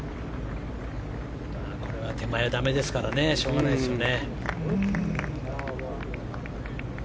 手前はだめですからしょうがないですよね。